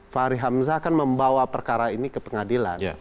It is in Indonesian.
fahri hamzah kan membawa perkara ini ke pengadilan